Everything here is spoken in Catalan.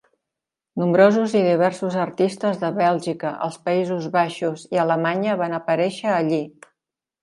Nombrosos i diversos artistes de Bèlgica, els Països Baixos i Alemanya van aparèixer allí.